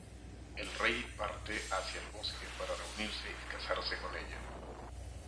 El rey parte hacia el bosque para reunirse y casarse con ella.